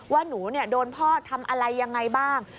ว่าหนูโดนพ่อทำอะไรยังไงบ้าง